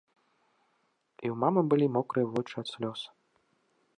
І ў мамы былі мокрыя вочы ад слёз.